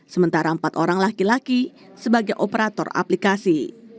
sementara empat orang laki laki sebagai operator aplikasi